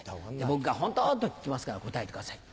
僕が「本当？」と聞きますから答えてください。